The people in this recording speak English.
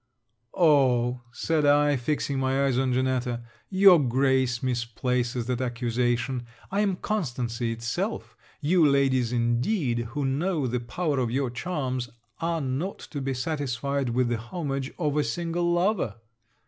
'Oh,' said I, fixing my eyes on Janetta, 'your Grace misplaces that accusation! I am constancy itself. You ladies, indeed, who know the power of your charms, are not to be satisfied with the homage of a single lover.'